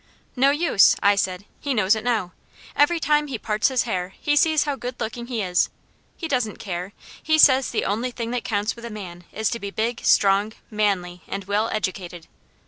"No use," I said. "He knows it now. Every time he parts his hair he sees how good looking he is. He doesn't care. He says the only thing that counts with a man is to be big, strong, manly, and well educated."